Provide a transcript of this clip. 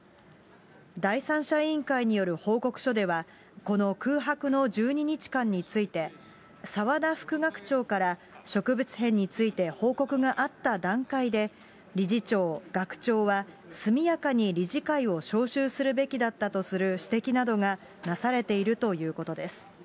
第三者委員会による報告書では、この空白の１２日間について、澤田副学長から植物片について報告があった段階で、理事長、学長は速やかに理事会を招集するべきだったとする指摘などがなされているということです。